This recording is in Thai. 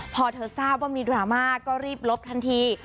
พอเธอทราบว่ามีดราม่าก็รีบลบทันที